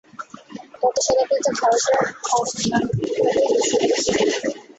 গত শতাব্দীতে ভারতে ঠগ নামে কুখ্যাত দস্যুদল ছিল।